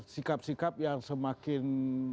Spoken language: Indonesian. sikap sikap yang semakin